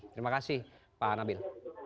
terima kasih pak nabil